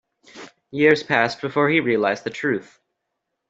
Years passed before he realized the truth.